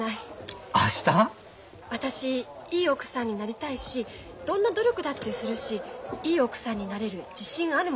私いい奥さんになりたいしどんな努力だってするしいい奥さんになれる自信あるもの。